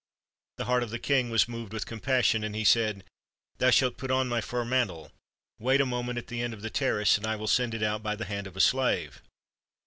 The heart of the king was moved with compassion, and he said: "Thou shalt put on my fur mantle. Wait a moment at the end of the terrace, and I will send it out by the hand of a slave."